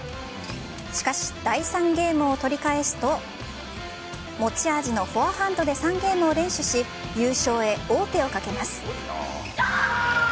しかし、第３ゲームを取り返すと持ち味のフォアハンドで３ゲームを連取し優勝へ王手をかけます。